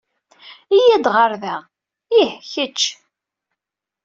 Yya-d ɣer da! Ih, kečč.